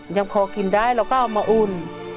ยังพอกินได้เราก็เอามาอุ่น